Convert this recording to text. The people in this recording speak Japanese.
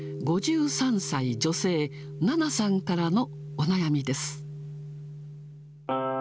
神奈川県５３歳女性、ななさんからのお悩みです。